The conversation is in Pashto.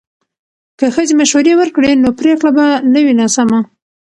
که ښځې مشورې ورکړي نو پریکړه به نه وي ناسمه.